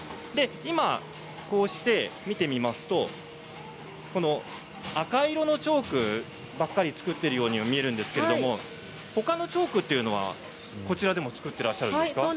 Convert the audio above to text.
今こうして見てみますと赤い色のチョークばかり作っているようにも見えるんですけれどほかのチョークというのはこちらでも作っていらっしゃるんですか？